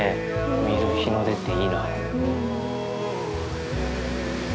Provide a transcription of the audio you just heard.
見る日の出っていいな。